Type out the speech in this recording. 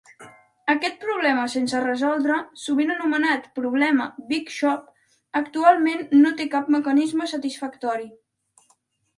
Aquest problema sense resoldre, sovint anomenat problema "big chop", actualment no té cap mecanisme satisfactori.